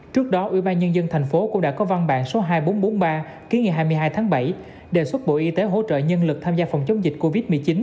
trước đó ủy ban nhân dân thành phố cũng đã có văn bản số hai nghìn bốn trăm bốn mươi ba ký ngày hai mươi hai tháng bảy đề xuất bộ y tế hỗ trợ nhân lực tham gia phòng chống dịch covid một mươi chín